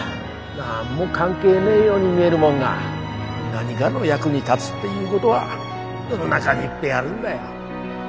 何も関係ねえように見えるもんが何がの役に立つっていうごどは世の中にいっぺえあるんだよ。